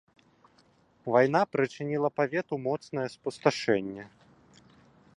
Вайна прычыніла павету моцнае спусташэнне.